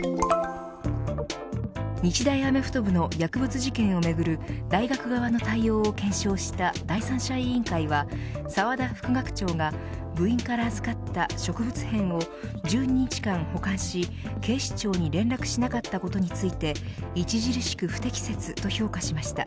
日大アメフト部の薬物事件をめぐる大学側の対応を検証した第三者委員会は沢田副学長が部員から預かった植物片を１２日間保管し警視庁に連絡しなかったことについて著しく不適切、と評価しました。